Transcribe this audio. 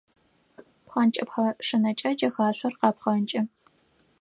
Пхъэнкӏыпхъэ шынэкӏэ джэхашъор къапхъэнкӏы.